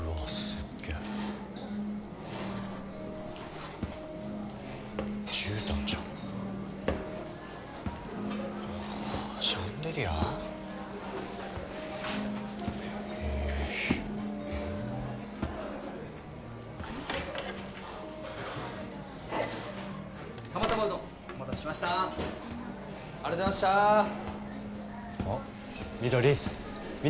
あっ緑！